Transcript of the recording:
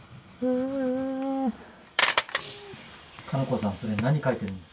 加那子さんそれ何描いてるんですか？